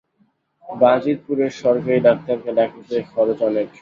বাজিতপুরের সরকারি ডাক্তারকে ডাকিতে খরচ অনেক।